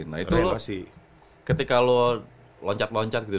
nah itu ketika lo loncat loncat gitu